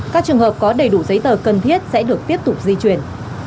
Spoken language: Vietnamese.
các trường hợp có đầy đủ giấy tờ cần thiết sẽ được tiếp tục di chuyển